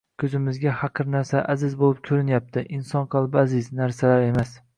ko‘zimizga haqir narsalar aziz bo‘lib ko‘rinyapti. Inson qalbi aziz, narsalar emas!